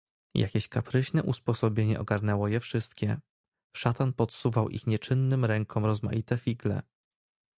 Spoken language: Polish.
"Jakieś kapryśne usposobienie ogarnęło je wszystkie; szatan podsuwał ich nieczynnym rękom rozmaite figle."